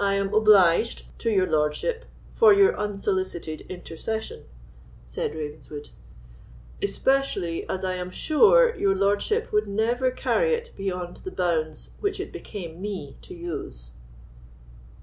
"I am obliged to your lordship for your unsolicited intercession," said Ravenswood; "especially as I am sure your lordship would never carry it beyond the bounds which it became me to use."